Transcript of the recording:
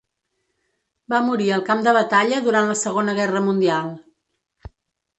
Va morir al camp de batalla durant la Segona Guerra Mundial.